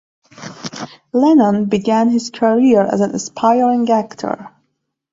Lennon began his career as an aspiring actor.